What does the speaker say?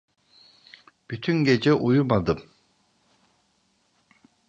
Bütün gece uyumadım.